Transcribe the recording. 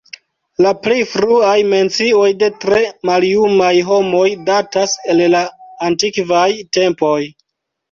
La plej fruaj mencioj de tre maljumaj homoj datas el la antikvaj tempoj.